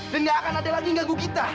dan nggak akan ada lagi yang ganggu kita